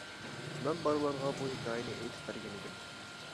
مەن بالىلارغا بۇ ھېكايىنى ئېيتىپ بەرگەن ئىدىم.